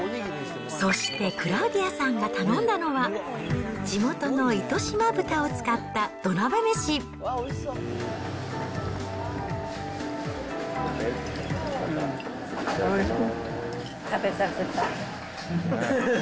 そしてクラウディアさんが頼んだのは、地元の糸島豚を使ったうん、おいしい。